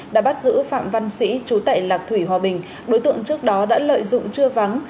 đã bắt giữ phạm văn sĩ chú tại lạc thủy hòa bình đối tượng trước đó đã lợi dụng trưa vắng